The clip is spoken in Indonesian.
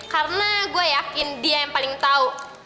karena gue yakin dia yang paling tau